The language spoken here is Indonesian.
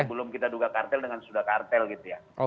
sebelum kita duga kartel dengan sudah kartel gitu ya